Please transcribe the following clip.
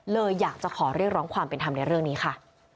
เลยอยากจะขอเรียกร้องความเป็นธรรมในเรื่องนี้ค่ะ